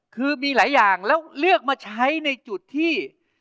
คือมีหลายอย่างแล้วเลือกมาใช้ในจุดที่